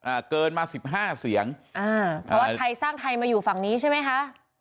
อ่าเกินมาสิบห้าเสียงอ่าเพราะว่าไทยสร้างไทยมาอยู่ฝั่งนี้ใช่ไหมคะ